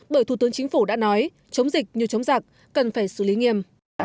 bởi thủ tướng chính phủ đã nói chống dịch như chống giặc cần phải xử lý nghiêm